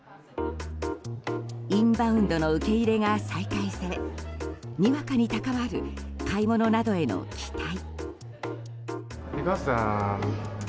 インバウンドの受け入れが再開されにわかに高まる買い物などへの期待。